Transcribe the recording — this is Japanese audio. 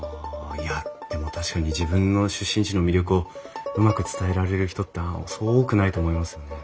いやでも確かに自分の出身地の魅力をうまく伝えられる人ってそう多くないと思いますよね。